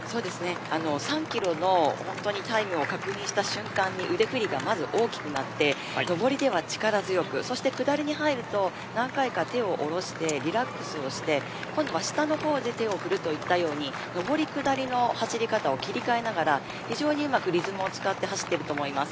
３キロのタイムを確認した瞬間に腕振りがまず大きくなって上りでは力強く下りに入ると何回か手をおろしてリラックスをして今度は下の方で手を振るといったように上り下りの走り方を切り替えながら非常にうまくリズムを使って走っていると思います。